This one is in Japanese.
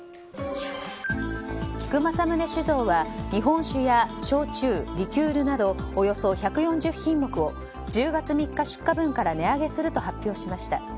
菊正宗酒造は日本酒や焼酎、リキュールなどおよそ１４０品目を１０月３日出荷分から値上げすると発表しました。